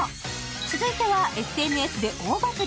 続いてはＳＮＳで大バズり。